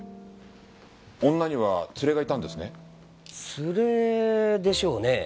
連れでしょうね。